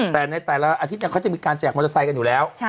แต่ในแต่ละอาทิตย์เขาจะมีการแจกมอเตอร์ไซค์กันอยู่แล้ว